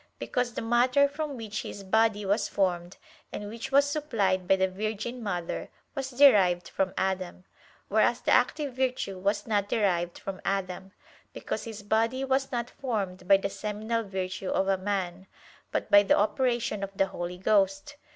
Because the matter from which His Body was formed, and which was supplied by the Virgin Mother, was derived from Adam; whereas the active virtue was not derived from Adam, because His Body was not formed by the seminal virtue of a man, but by the operation of the Holy Ghost.